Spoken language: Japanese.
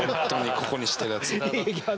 ここにしてるやつ。